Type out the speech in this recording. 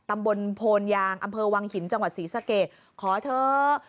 ตำบลโพนยางอำเภอวังหินจังหวัดศรีสะเกดขอเถอะ